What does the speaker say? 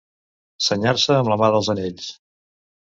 Senyar-se amb la mà dels anells.